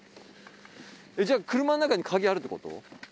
じゃあ車の中に鍵あるってこと？